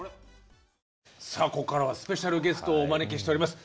さあここからはスペシャルゲストをお招きしております。